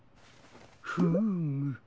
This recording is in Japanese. フーム。